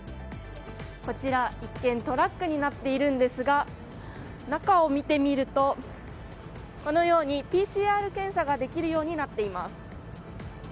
こちら、一見トラックになっているんですが中を見てみるとＰＣＲ検査ができるようになっています。